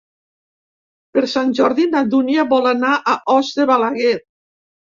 Per Sant Jordi na Dúnia vol anar a Os de Balaguer.